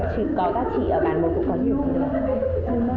có các chị ở bàn môi cũng có nhiều người